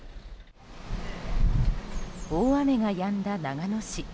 大雨がやんだ長野市。